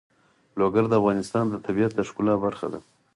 لوگر د افغانستان د طبیعت د ښکلا برخه ده.